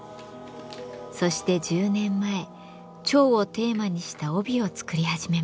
そして１０年前蝶をテーマにした帯を作り始めました。